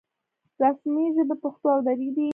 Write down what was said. رسمي ژبې پښتو او دري دي